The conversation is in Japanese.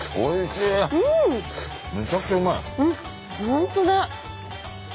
本当だ。